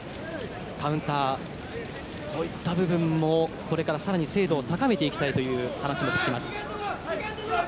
カウンターといった部分もこれから精度を高めていきたいという話も聞きます。